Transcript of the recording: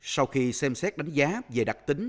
sau khi xem xét đánh giá về đặc tính